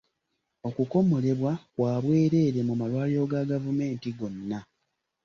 Okukomolebwa kwa bwerere mu malwaliro ga gavumenti gonna.